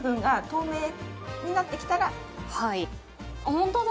ホントだ。